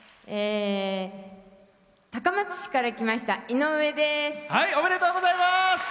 高松市から来ましたいのうえです。